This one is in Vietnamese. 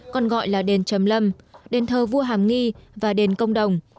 còn gọi là đền trầm lâm đền thờ vua hàm nghi và đền công đồng